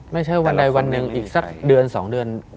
ไม่ใช่วันใดวันหนึ่งอีกสักเดือน๒เดือน